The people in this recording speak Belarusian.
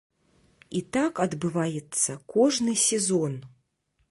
І так адбываецца кожны сезон!